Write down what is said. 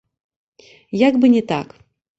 Як бы не так!